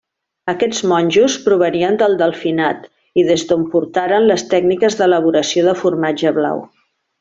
Aquests monjos provenien del Delfinat i des d'on portaren les tècniques d'elaboració de formatge blau.